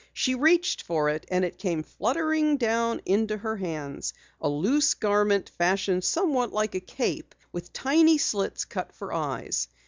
She reached for it and it came fluttering down into her hands a loose garment fashioned somewhat like a cape with tiny slits cut for eyes.